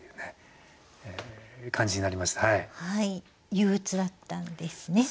憂鬱だったんですね？